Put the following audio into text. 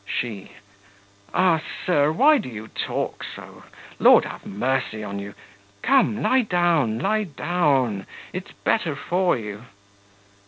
SHE. Ah, sir! why do you talk so? Lord have mercy on you! Come, lie down, lie down; it's better for you.